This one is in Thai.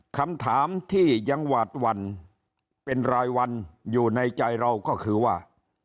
คำถามที่ยังหวาดหวั่นเป็นรายวันอยู่ในใจเราก็คือว่า